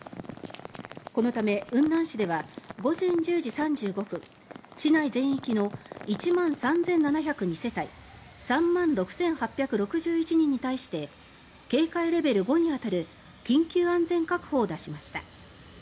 このため、雲南市では午前１０時３５分市内全域の１万３７０２世帯３万６８６１人に対して警戒レベル５に当たる緊急安全確保を出しました。